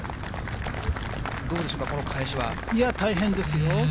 どうでしょうか、いや、大変ですよ。